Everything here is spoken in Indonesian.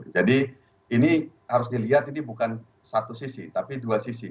jadi ini harus dilihat ini bukan satu sisi tapi dua sisi